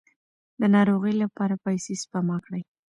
د ناروغۍ لپاره پیسې سپما کړئ.